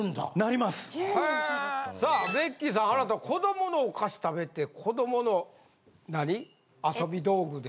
さあベッキーさんあなた子どものお菓子食べて子どもの何遊び道具で。